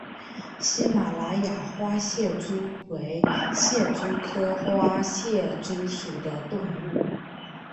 喜马拉雅花蟹蛛为蟹蛛科花蟹蛛属的动物。